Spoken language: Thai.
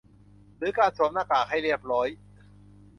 หรือการสวมหน้ากากให้เรียบร้อย